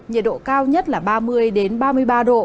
nhiệt độ cao nhất là ba mươi ba mươi ba độ